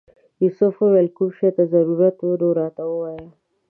یوسف وویل که کوم شي ته ضرورت و نو راته ووایه.